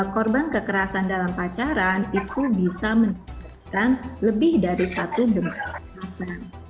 korban kekerasan dalam pacaran itu bisa menyebabkan lebih dari satu bentuk kekerasan